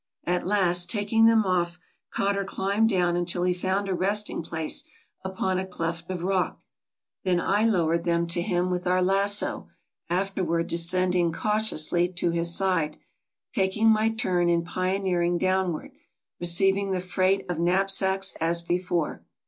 At last, taking them off, Cotter climbed down until he found a resting place upon a cleft of rock, AMERICA 105 then I lowered them to him with our lasso, afterward de scending cautiously to his side, taking my turn in pioneering downward, receiving the freight of knapsacks as before.